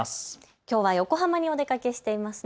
きょうは横浜にお出かけしていますね。